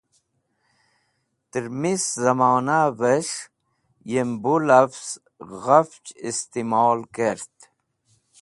Tẽr mis zẽmonavẽs̃h yem bo lavz gha istimol kert.